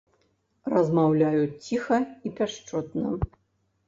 Размаўляюць ціха і пяшчотна.